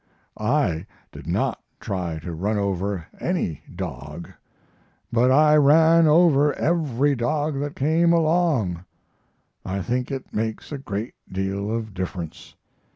I did not try to run over any dog. But I ran over every dog that came along. I think it makes a great deal of difference.